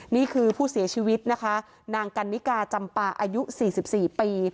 นี่คือผู้เสียชีวิตนะคะนางกันนิกาจำปาอายุ๔๔ปี